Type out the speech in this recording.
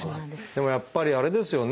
でもやっぱりあれですよね